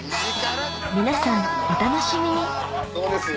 皆さんお楽しみにそうですよ